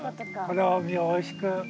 この実をおいしく。